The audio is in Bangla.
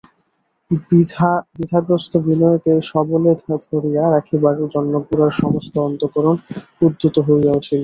দ্বিধাগ্রস্ত বিনয়কে সবলে ধরিয়া রাখিবার জন্য গোরার সমস্ত অন্তঃকরণ উদ্যত হইয়া উঠিল।